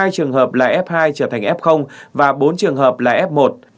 hai trường hợp là f hai trở thành f và bốn trường hợp là f một